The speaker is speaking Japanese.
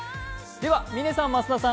では嶺さん、増田さん。